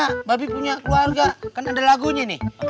karena babi punya keluarga kan ada lagunya nih